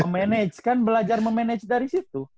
memanage kan belajar memanage dari situ